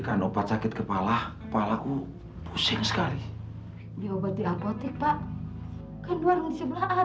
gempa kita hancur semuanya